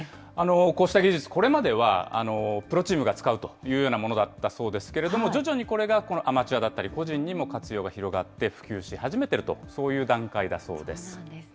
こうした技術、これまではプロチームが使うというようなものだったそうですけれども、徐々にこれがアマチュアだったり、個人にも活用が広がって、普及し始めていると、そういう段階だそうです。